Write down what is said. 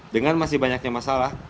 dengan masih banyaknya masalah